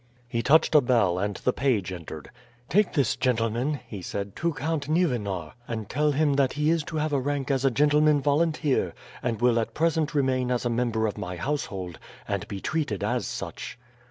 He touched a bell and the page entered. "Take this gentleman," he said, "to Count Nieuwenar, and tell him that he is to have rank as a gentleman volunteer, and will at present remain as a member of my household, and be treated as such."